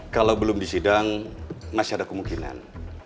kalau belum disidang masih ada kemungkinan